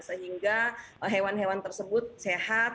sehingga hewan hewan tersebut sehat